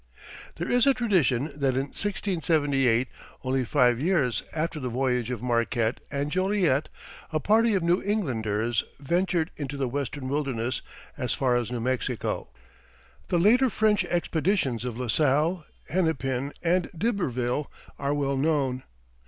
There is a tradition that in 1678, only five years after the voyage of Marquette and Joliet, a party of New Englanders ventured into the Western wilderness as far as New Mexico. The later French expeditions of La Salle, Hennepin, and D'Iberville are well known.